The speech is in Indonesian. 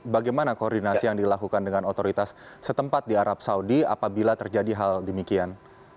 bagaimana koordinasi yang dilakukan dengan otoritas setempat di arab saudi apabila terjadi hal demikian